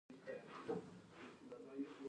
د زړه ضربان د خوښۍ او غم پر مهال بدلېږي.